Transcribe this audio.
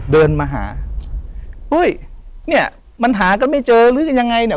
เดินมาหาอุ้ยเนี่ยมันหากันไม่เจอหรือกันยังไงเนี่ย